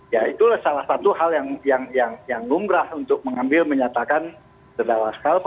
ya itulah salah satu hal yang numrah untuk mengambil menyatakan terdalam skala